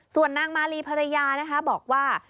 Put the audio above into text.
ส่วนนางมาลีภรรยานะคะบอกว่า